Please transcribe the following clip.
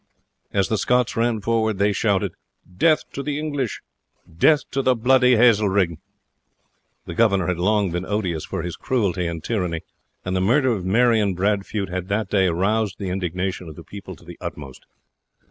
As the Scots ran forward they shouted "Death to the English, death to the bloody Hazelrig!" The governor had long been odious for his cruelty and tyranny, and the murder of Marion Bradfute had that day roused the indignation of the people to the utmost.